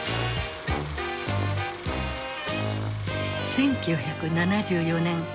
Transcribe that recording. １９７４年。